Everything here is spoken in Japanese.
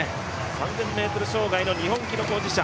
３０００ｍ障害の日本記録保持者